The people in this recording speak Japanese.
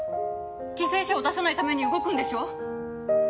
犠牲者を出さないために動くんでしょ！